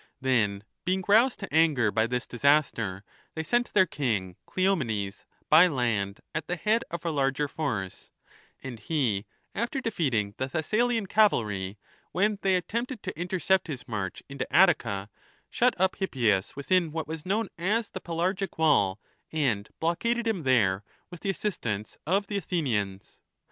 Then, being roused to anger by this disaster, they sent their king, Cleomenes, by land at the head of a larger force ; and he, after defeating the Thessalian cavalry when they attempted to intercept his march into Attica, shut up Hippias within what was known as the Pelargic wall and blockaded him there with the assistance of the Athenians.